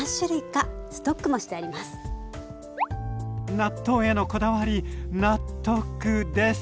納豆へのこだわり納得です。